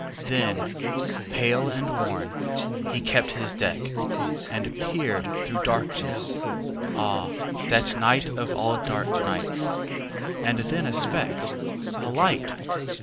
Then, pale and worn, he kept his deck, And peered through darkness. Ah, that nightOf all dark nights! And then a speck—A light!